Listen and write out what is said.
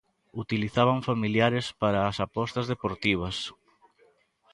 Utilizaban familiares para as apostas deportivas.